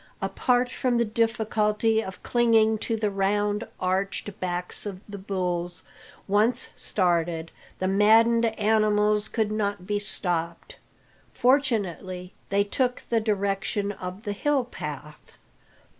Apart from the difficulty of clinging to the round, arched backs of the bulls, once started, the maddened animals could not be stopped. Fortunately, they took the direction of the hill path.